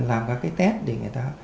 làm các cái test để người ta